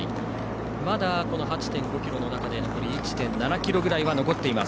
まだ８．５ｋｍの中で残り１．７ｋｍぐらいは残っています。